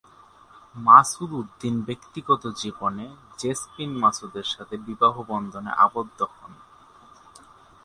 মাসুদ উদ্দিন ব্যক্তিগত জীবনে জেসমিন মাসুদের সাথে বিবাহ বন্ধনে আবদ্ধ হন।